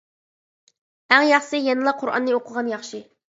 ئەڭ ياخشىسى يەنىلا قۇرئاننى ئوقۇغان ياخشى.